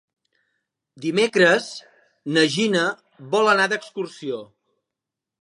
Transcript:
Dimecres na Gina vol anar d'excursió.